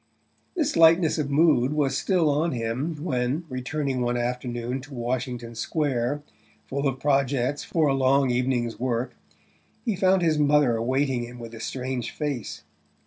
This lightness of mood was still on him when, returning one afternoon to Washington Square, full of projects for a long evening's work, he found his mother awaiting him with a strange face.